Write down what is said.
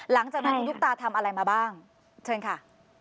หลังจากนั้นคุณตุ๊กตาทำอะไรมาบ้างเชิญค่ะ